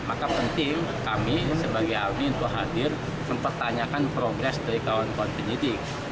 maka penting kami sebagai aldi untuk hadir mempertanyakan progres dari kawan kawan penyidik